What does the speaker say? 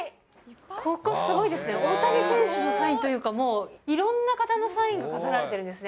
ここ、すごいですね、大谷選手のサインというか、いろんな方のサインが飾られているんですね。